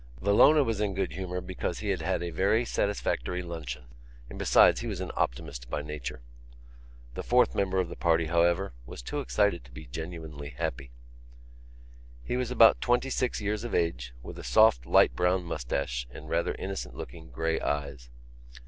Villona was in good humour because he had had a very satisfactory luncheon; and besides he was an optimist by nature. The fourth member of the party, however, was too excited to be genuinely happy. He was about twenty six years of age, with a soft, light brown moustache and rather innocent looking grey eyes.